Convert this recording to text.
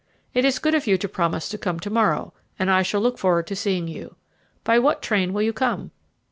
It is good of you to promise to come to morrow, and I shall look forward to seeing you. By what train will you come?"